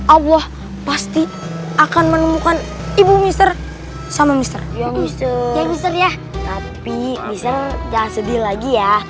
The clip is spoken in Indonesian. allah pasti akan menemukan ibu mister sama mister mister ya tapi bisa sedih lagi ya